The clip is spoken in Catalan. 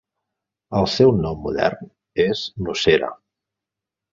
El seu nom modern és Nocera.